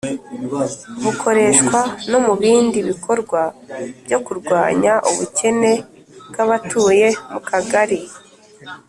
bukoreshwa no mu bindi bikorwa byo kurwanya ubukene bw'abatuye mu kagari.